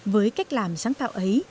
với cách làm sáng tạo ấy